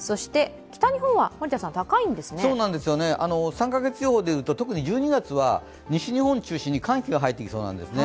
３カ月予報で言うと特に１２月は西日本中心に寒気が入ってきそうなんですね。